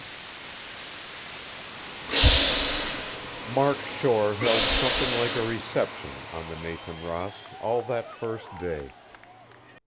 VII Mark Shore held something like a reception, on the Nathan Ross, all that first day.